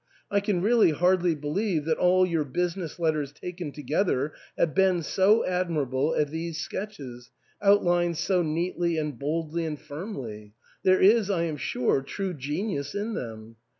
I can really hardly believe that all your business letters taken together have been so admirable as these sketches, outlined so neatly and boldly and firmly. There is, I am sure, true genius in them.